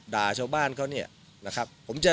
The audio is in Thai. ด่าชาวบ้านเขาเนี่ยนะครับ